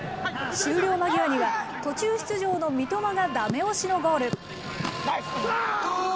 終了間際には、途中出場の三笘がだめ押しのゴール。